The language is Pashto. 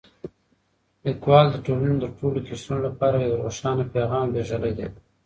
لیکوال د ټولنې د ټولو قشرونو لپاره یو روښانه پیغام لېږلی دی.